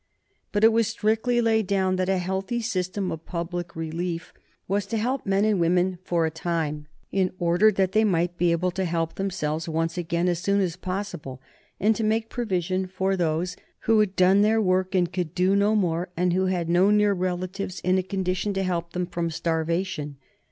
But it was strictly laid down that a healthy system of public relief was to help men and women for a time, in order that they might be able to help themselves once again, as soon as possible, and to make provision for those who had done their work and could do no more, and who had no near relatives in a condition to keep them from starvation.